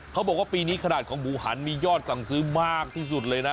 เขาบอกว่าปีนี้ขนาดของหมูหันมียอดสั่งซื้อมากที่สุดเลยนะ